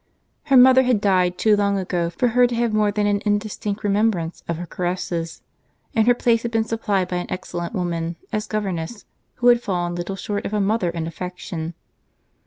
Her mother had died too long ago for her to have more than an indistinct remembrance of her caresses; and her place had been supplied by an excellent woman as governess, who had fallen little short of a mother in affection.